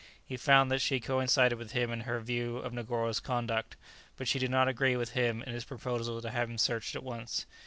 He found that she coincided with him in her view of Negoro's conduct; but she did not agree with him in his proposal to have him searched at once.